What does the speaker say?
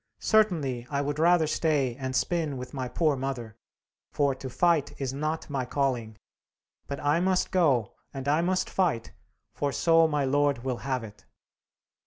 Certainly, I would rather stay and spin with my poor mother, for to fight is not my calling; but I must go and I must fight, for so my Lord will have it."